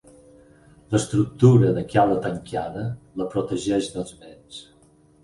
L'estructura de cala tancada la protegeix dels vents.